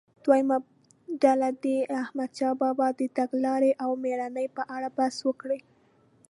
دویمه ډله دې د احمدشاه بابا د تګلارې او مړینې په اړه بحث وکړي.